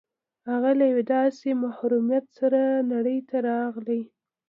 هغه له يوه داسې محروميت سره نړۍ ته راغی.